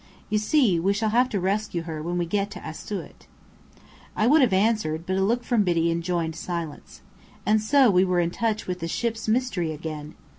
You see, we shall have to rescue her when we get to Asiut." I would have answered, but a look from Biddy enjoined silence. And so we were in touch with the "Ship's Mystery" again!